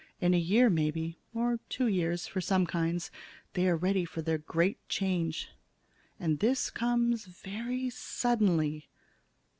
In a year, maybe, or two years for some kinds, they are ready for their great change. And this comes very suddenly.